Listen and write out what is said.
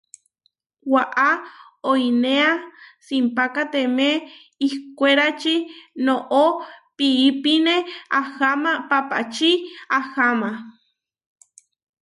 Waʼá oinéa simpákateme ihkwérači, noʼó piípine aháma papáči aháma.